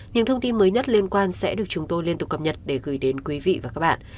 những thông tin mới nhất liên quan sẽ được chúng tôi liên tục cập nhật để gửi đến quý vị và các bạn